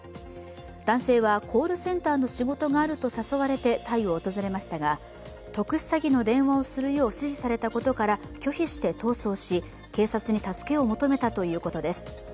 男性はコールセンターの仕事があると誘われてタイを訪れましたが、特殊詐欺の電話をするよう指示されたことから拒否して逃走し、警察に助けを求めたということです。